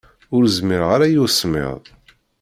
Ur zmireɣ ara i usemmiḍ.